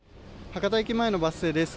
博多駅前のバス停です。